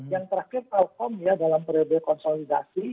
yang terakhir telkom ya dalam periode konsolidasi